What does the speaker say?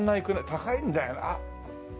高いんだよな。